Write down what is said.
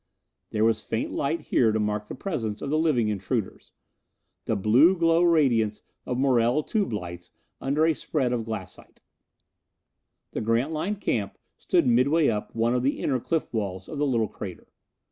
There was faint light here to mark the presence of the living intruders. The blue glow radiance of Morrell tube lights under a spread of glassite. The Grantline camp stood mid way up one of the inner cliff walls of the little crater.